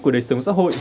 của đời sống xã hội